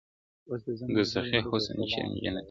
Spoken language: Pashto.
د دوزخي حُسن چيرمني جنتي دي کړم,